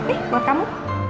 ini buat kamu